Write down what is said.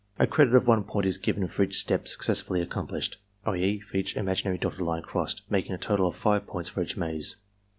A credit of 1 point is given for each step success fully accomplished; i. e., for each imaginary dotted line crossed, making a total of 5 points for each ma2e.